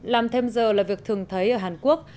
làm thêm giờ là việc thường thấy ở hàn quốc